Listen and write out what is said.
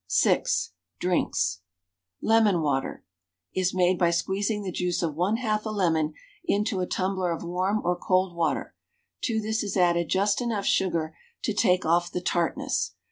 VI. DRINKS. LEMON WATER is made by squeezing the juice of 1/2 a lemon into a tumbler of warm or cold water; to this is added just enough sugar to take off the tartness.